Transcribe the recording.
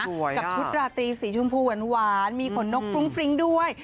กับชุดราตรีสีชมพูหวานมีขนนกฟรุ้งฟริ้งด้วย